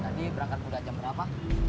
tadi berangkat muda jam berapa